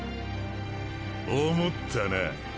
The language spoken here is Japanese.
思ったなあ！？